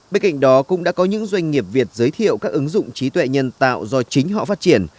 bên cạnh đó cũng đã có những doanh nghiệp việt giới thiệu các ứng dụng trí tuệ nhân tạo do chính họ phát triển